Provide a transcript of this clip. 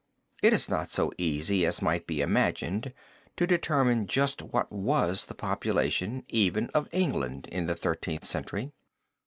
It is not so easy as might be imagined to determine just what was the population even of England in the Thirteenth Century.